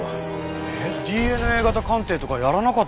えっＤＮＡ型鑑定とかやらなかったんだ。